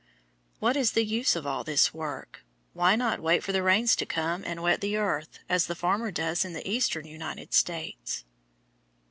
What is the use of all this work? Why not wait for the rains to come and wet the earth, as the farmer does in the eastern United States?